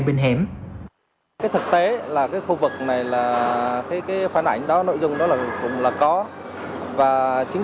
lần nữa thực tế là cái khu vực này là cái cái phản ảnh đó nội dung đó là cũng là có và chính